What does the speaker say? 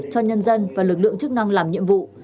cho nhân dân và lực lượng chức năng làm nhiệm vụ